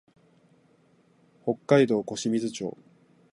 北海道小清水町